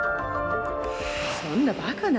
そんなバカな。